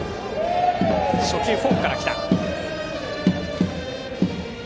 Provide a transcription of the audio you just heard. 初球フォークから来た。